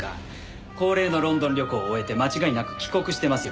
恒例のロンドン旅行を終えて間違いなく帰国してますよ